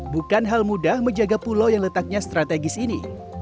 bukan hal mudah menjaga pulau yang letaknya strategis ini